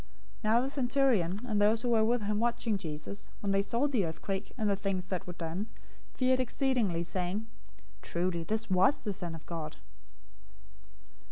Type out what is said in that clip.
027:054 Now the centurion, and those who were with him watching Jesus, when they saw the earthquake, and the things that were done, feared exceedingly, saying, "Truly this was the Son of God."